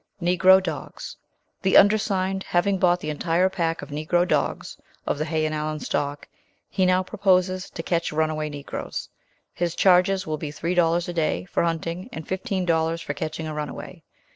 "NEGRO DOGS. The undersigned, having bought the entire pack of Negro dogs (of the Hay and Allen stock), he now proposes to catch runaway Negroes. His charges will be three dollars a day for hunting, and fifteen dollars for catching a runaway.